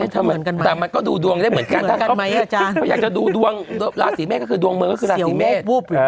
แต่มันก็ดูดวงได้เหมือนกันถ้าเขาอยากจะดูดวงราศีเมษก็คือดวงเมืองก็คือราศีเมษ